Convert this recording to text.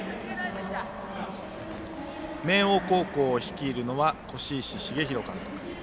明桜高校を率いるのは輿石重弘監督。